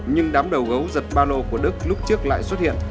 nhưng đám đầu gấu giật ba lô của đức lúc trước lại xuất hiện